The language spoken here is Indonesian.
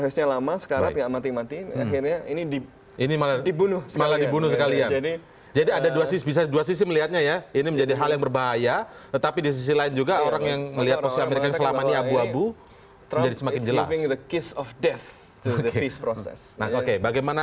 sekarang dikelanjangi sekalian